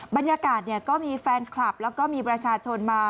บรรยากาศก็มีแฟนคลับแล้วก็มีประชาชนมา